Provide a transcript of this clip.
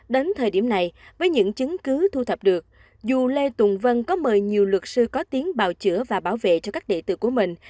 đến thời điểm này với những chứng cứ thu thập được dù lê tùng vân có mời nhiều luật sư có tiếng bào chữa và bảo vệ cho các đệ tử của mình